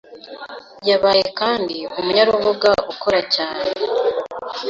Yabaye kandi umunyarubuga ukora cyane